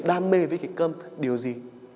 đam mê với kịch câm điều gì